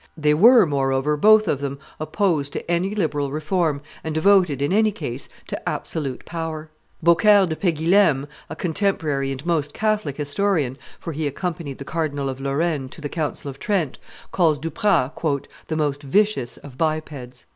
They were, moreover, both of them, opposed to any liberal reform, and devoted, in any case, to absolute power. Beaucaire de Peguilhem, a contemporary and most Catholic historian, for he accompanied the Cardinal of Lorraine to the Council of Trent, calls Duprat "the most vicious of bipeds."